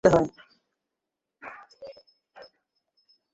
পুত্রকে পিতার মৃতদেহে অগ্নিসংযোগ করিতে হয়।